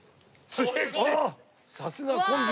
さすがコンビ！